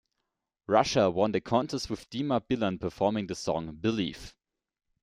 Russia won the contest with Dima Bilan performing the song "Believe".